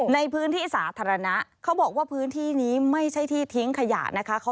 ในพื้นที่สาธารณะเขาบอกว่าพื้นที่นี้ไม่ใช่ที่ทิ้งขยะนะคะ